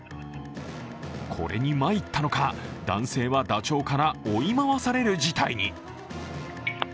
これに参ったのか、男性はダチョウから追い回される事態に。